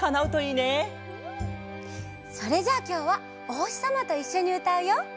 うんそれじゃあきょうはおほしさまといっしょにうたうよ！